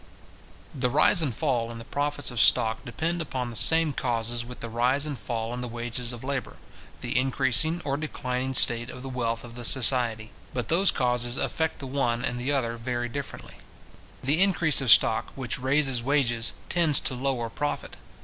The rise and fall in the profits of stock depend upon the same causes with the rise and fall in the wages of labour, the increasing or declining state of the wealth of the society; but those causes affect the one and the other very differently. The increase of stock, which raises wages, tends to lower profit.